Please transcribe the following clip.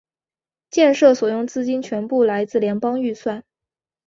建设所用资金全部来自联邦预算。